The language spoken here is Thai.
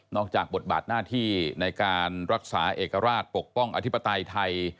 จากบทบาทหน้าที่ในการรักษาเอกราชปกป้องอธิปไตยไทย